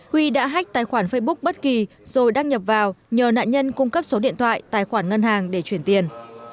huy đã hách tài khoản facebook bất kỳ rồi đăng nhập vào nhờ nạn nhân cung cấp số điện thoại tài khoản ngân hàng để chuyển tiền